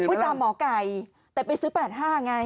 ตามหมอไก่แต่ไปซื้อ๘๕ไง